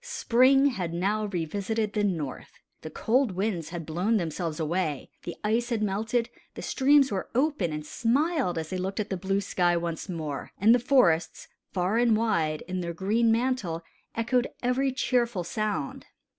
Spring had now revisited the North. The cold winds had all blown themselves away, the ice had melted, the streams were open and smiled as they looked at the blue sky once more; and the forests, far and wide, in their green mantle, echoed every cheerful sound.